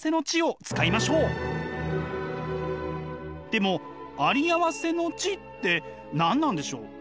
でもあり合わせの知って何なんでしょう？